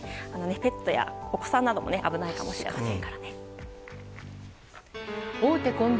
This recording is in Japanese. ペットやお子さんなども危ないかもしれません。